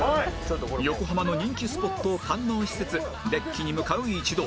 横浜の人気スポットを堪能しつつデッキに向かう一同